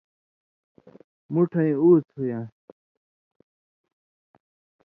مُوٹَھیں اُوڅھ ہُویان٘س۔